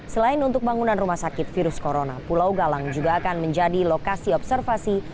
selain untuk bangunan rumah sakit virus corona pulau galang juga akan menjadi lokasi observasi